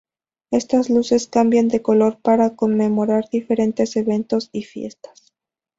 Estas luces cambian de color para conmemorar diferentes eventos y fiestas.